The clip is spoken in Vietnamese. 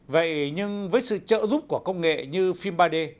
vậy nhưng với sự trợ giúp của công nghệ như phim ba d